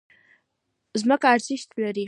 ځمکه ارزښت لري.